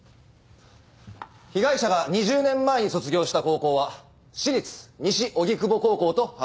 被害者が２０年前に卒業した高校は私立西荻窪高校と判明。